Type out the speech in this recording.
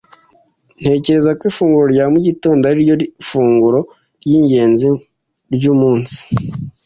Ntekereza ko ifunguro rya mu gitondo ariryo funguro ryingenzi ryumunsi.